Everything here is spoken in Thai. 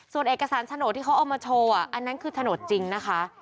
ส่วนเอกสารโฉนดที่เขาเอามาโชว์อันนั้นคือโฉนดจริงนะคะ